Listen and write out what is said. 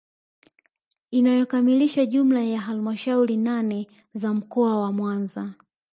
Inayokamilisha jumla ya halmashauri nane za mkoa wa Mwanza